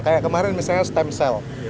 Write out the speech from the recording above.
kayak kemarin misalnya stem cell